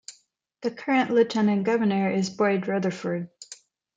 The current Lieutenant Governor is Boyd Rutherford.